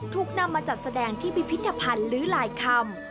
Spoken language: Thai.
ถูกนำมาจัดแสดงที่พิพิธภัณฑ์หรือหลายคำ